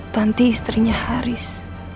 tanti istrinya haris